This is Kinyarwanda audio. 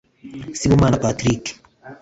Sibomana Patrick